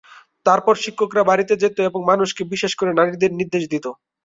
তারপর শিক্ষকরা বাড়িতে যেত এবং মানুষকে, বিশেষ করে নারীদের নির্দেশ দিত।